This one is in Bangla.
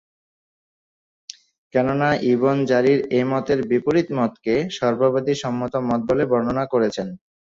কেননা, ইবন জারীর এ মতের বিপরীত মতকে সর্ববাদী সম্মত মত বলে বর্ণনা করেছেন।